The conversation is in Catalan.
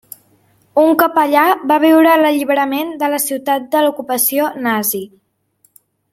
Un cop allà va viure l'alliberament de la ciutat de l'ocupació nazi.